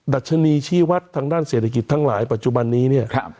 ดัชนีชีวัตรทางด้านเศรษฐกิจทั้งหลายปัจจุบันนี้เนี่ย